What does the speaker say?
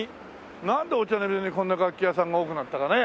なんで御茶ノ水にこんな楽器屋さんが多くなったかね？